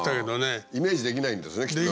イメージできないんですねきっとね。